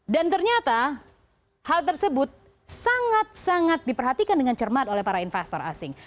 dan ternyata hal tersebut sangat sangat diperhatikan dengan cermat oleh para investor asing